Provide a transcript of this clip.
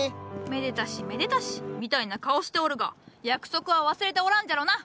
めでたしめでたしみたいな顔しておるが約束は忘れておらんじゃろうな？